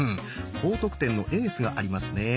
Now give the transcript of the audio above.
高得点のエースがありますね。